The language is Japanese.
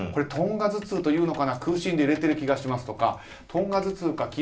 トンガ頭痛というのかな空振で揺れている気がしますとかトンガ頭痛か。